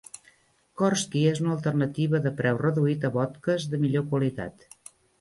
Korski és una alternativa de preu reduït a vodkes de millor qualitat.